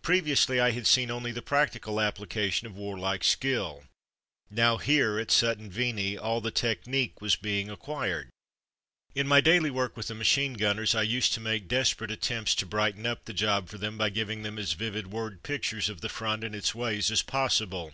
Pre viously I had seen only the practical appli cation of warlike skill. Now here, at Sutton Veney, all the technique was being acquired. In my daily work with the machine gun ners I used to make desperate attempts to brighten up the job for them by giving them as vivid word pictures of the front and its ways as possible.